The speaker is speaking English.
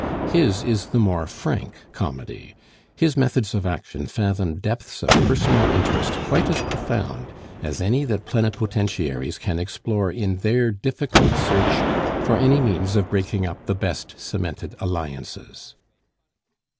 His is the more frank comedy; his methods of action fathom depths of personal interest quite as profound as any that plenipotentiaries can explore in their difficult search for any means of breaking up the best cemented alliances.